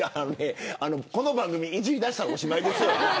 この番組、いじりだしたらおしまいですよ。